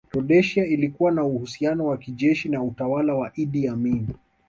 Rhodesia ilikuwa na uhusiano wa kijeshi na utawala wa Idi Amin